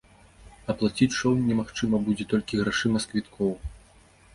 Аплаціць шоў немагчыма будзе толькі грашыма з квіткоў.